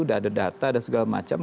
sudah ada data dan segala macam